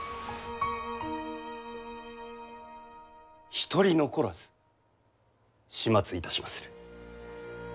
一人残らず始末いたしまする。